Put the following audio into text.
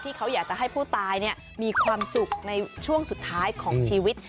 เขาอยากจะให้ผู้ตายมีความสุขในช่วงสุดท้ายของชีวิต